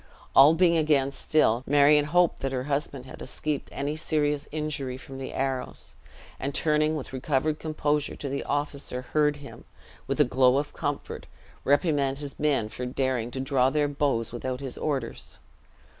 All being again still, Marion hoped that her husband had escaped any serious injury from the arrows; and turning with recovered composure to the officer, heard him, with a glow of comfort, reprimand his men for daring to draw their bows without his orders.